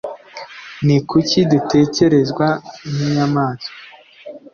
ni kuki dutekerezwa nk’inyamaswa,